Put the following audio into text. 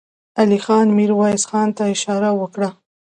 علی خان ميرويس خان ته اشاره وکړه.